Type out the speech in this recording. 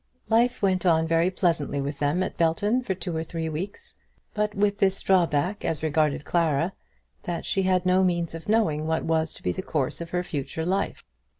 Life went on very pleasantly with them at Belton for two or three weeks; but with this drawback as regarded Clara, that she had no means of knowing what was to be the course of her future life.